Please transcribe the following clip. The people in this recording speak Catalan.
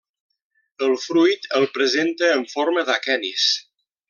El fruit el presenta en forma d'aquenis.